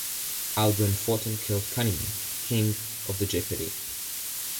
Albuin fought and killed Cunimund, king of the Gippidi.